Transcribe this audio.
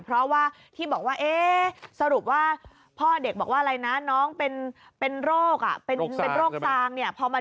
เพราะสรุปว่าพ่อเด็กบอกว่ามิ้นน้องเป็นโรคซาง